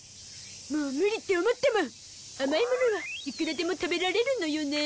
もう無理って思っても甘いものはいくらでも食べられるのよねえ。